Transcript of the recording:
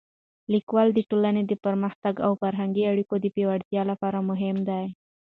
لیکوالی د ټولنې د پرمختګ او فرهنګي اړیکو د پیاوړتیا لپاره مهم دی.